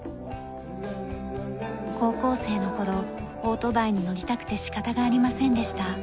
高校生の頃オートバイに乗りたくて仕方がありませんでした。